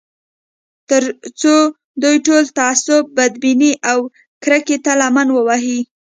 تر څو دوی ټول تعصب، بدبینۍ او کرکې ته لمن ووهي